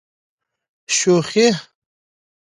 شوخي.